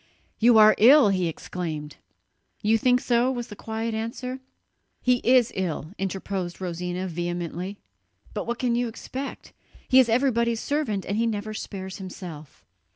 "You are ill!" he exclaimed. "You think so?" was the quiet answer. "He is ill," interposed Rosina vehemently, "but what can you expect? He is everybody's servant, he never spares himself.